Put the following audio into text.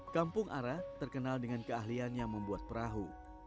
kampung ara terkenal dengan keahlian yang membuat perahu